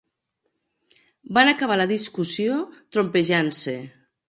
Van acabar la discussió trompejant-se.